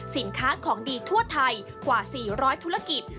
สินค้าของดีทั่วไทยกว่า๔๐๐ธุรกิจ